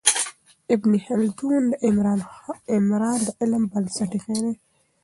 ابن خلدون د عمران د علم بنسټ ایښی دی.